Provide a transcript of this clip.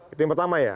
itu yang pertama ya